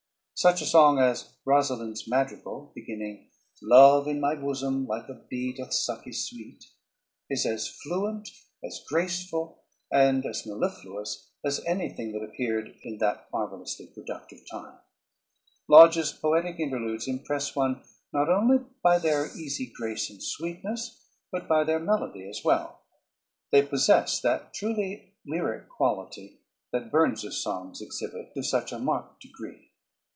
Such a song as Rosalynde's Madrigal, beginning, Love in my bosom, like a bee Doth suck his sweet: is as fluent, as graceful, and as mellifluous as anything that appeared in that marvelously productive time. Lodge's poetic interludes impress one not only by their easy grace and sweetness, but by their melody as well. They possess that truly lyric quality that Burns's songs exhibit to such a marked degree.